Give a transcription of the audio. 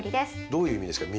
どういう意味ですか？